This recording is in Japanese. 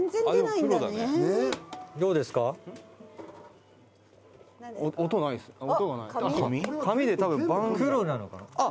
「黒なのかな」